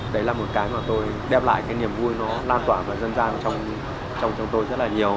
đấy là một cái mà tôi đem lại cái niềm vui nó lan tỏa và dân gian trong chúng tôi rất là nhiều